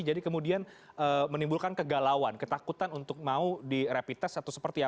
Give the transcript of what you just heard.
jadi kemudian menimbulkan kegalauan ketakutan untuk mau di rapid test atau seperti itu